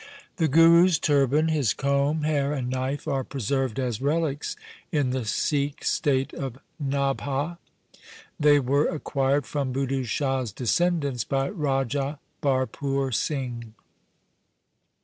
The Guru's turban, 46 THE SIKH RELIGION his comb, hair, and knife are preserved as relics in the Sikh state of Nabha. They were acquired from Budhu Shah's descendants by Raja Bharpur Singh.